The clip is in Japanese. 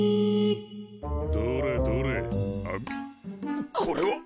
どれどれあむこれは！